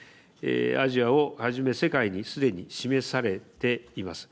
アジアをはじめ世界にすでに示されています。